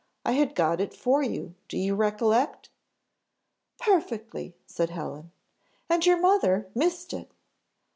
I had got it for you, do you recollect?" "Perfectly," said Helen, "and your mother missed it."